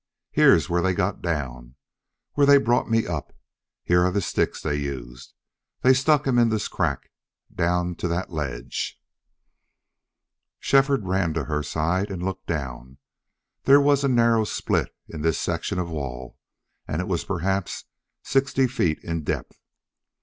"Here's where they got down where they brought me up. Here are the sticks they used. They stuck them in this crack, down to that ledge." Shefford ran to her side and looked down. There was a narrow split in this section of wall and it was perhaps sixty feet in depth.